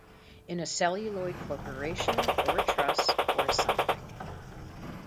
In a celluloid corporation or trust or something.